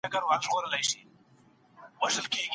کورنۍ یو بل ته درناوی نه کاوه.